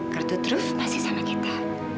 kertutruf masih sama kita